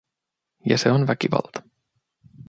ja se on väkivalta.